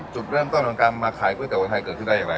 จุดเริ่มต้นของการมาขายก๋วไทยเกิดขึ้นได้อย่างไร